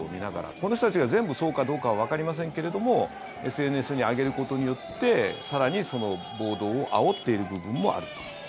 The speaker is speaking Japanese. この人たちが全部そうかどうかはわかりませんけれどもＳＮＳに上げることによって更に暴動をあおっている部分もあると。